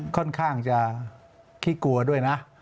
ค่อนข้างจะขี้กลัวด้วยนะ